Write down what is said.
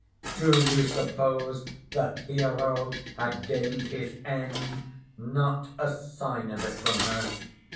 Do you suppose the hero had gained his end? Not a sign of it from her.